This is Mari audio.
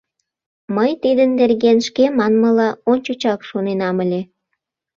— Мый тидын нерген, шке манмыла, ончычак шоненам ыле.